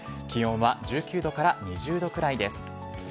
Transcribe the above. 気温は１９度から２０度くらいです。